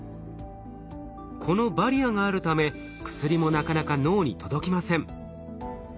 このバリアがあるため薬もなかなか脳に届きません。